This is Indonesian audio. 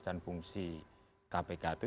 dan fungsi kpk itu